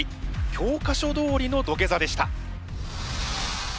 教科書どおりの土下座でした。